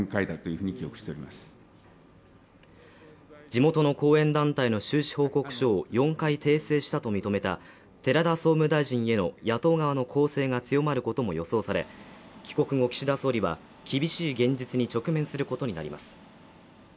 地元の後援団体の収支報告書を４回訂正したと認めた寺田総務大臣への野党側の攻勢が強まることも予想され帰国後岸田総理は厳しい現実に直面することになります